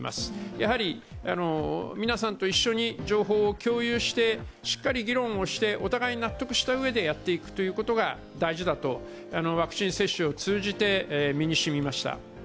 やはり皆さんと一緒に情報を共有してしっかり議論をしてお互い納得したうえでやっていくことが大事だと、ワクチン接種を通じて身にしみました。